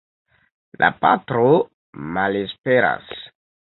La patro malesperas.